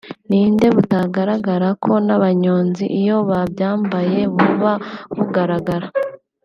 Ni nde butagaragara ko n’abanyonzi iyo babyambaye buba bugaragara